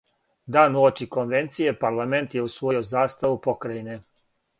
Дан уочи конвенције парламент је усвојио заставу покрајине.